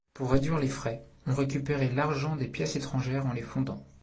Pour réduire les frais, on récupérait l'argent des pièces étrangères en les fondant.